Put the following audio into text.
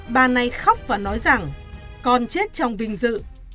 bà này khóc và nói rằng con chết trong vinh dự